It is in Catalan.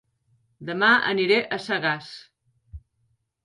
Dema aniré a Sagàs